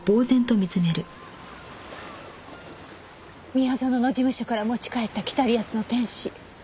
宮園の事務所から持ち帰った『北リアスの天使』。